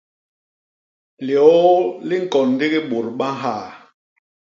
Liôô li ñkon ndigi bôt ba nhaa.